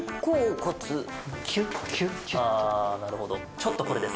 ちょっとこれです。